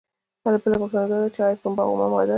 بله پوښتنه دا ده چې ایا پنبه اومه ماده ده؟